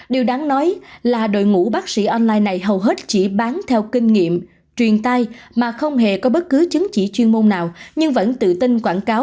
điều đáng nói là đội ngũ bác sĩ online này hầu hết chỉ bán theo kinh nghiệm truyền tay mà không hề có bất cứ chứng chỉ chuyên môn nào nhưng vẫn tự tin quảng cáo